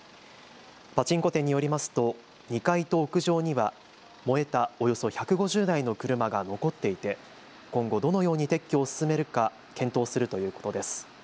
パチンコ店によりますと２階と屋上には燃えたおよそ１５０台の車が残っていて今後、どのように撤去を進めるか検討するということです。